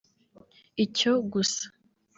icyo gusa